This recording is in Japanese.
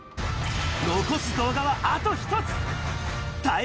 残す動画はあと１つ。